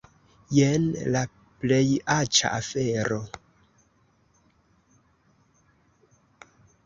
Jen la plej aĉa afero!